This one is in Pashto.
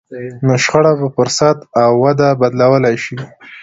نو شخړه په فرصت او وده بدلولای شئ.